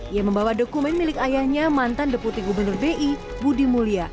ia membawa dokumen milik ayahnya mantan deputi gubernur bi budi mulya